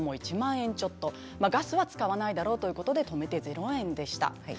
ガスは使わないだろうということで止めて０円でした。